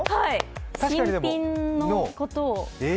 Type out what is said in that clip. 新品のことを。